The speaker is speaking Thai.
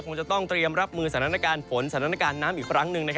คงจะต้องเตรียมรับมือสถานการณ์ฝนสถานการณ์น้ำอีกครั้งหนึ่ง